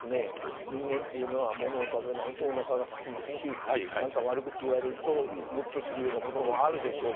人間っていうのは物を食べないとおなかがすきますし何か悪口言われるとムッとするようなこともあるでしょうし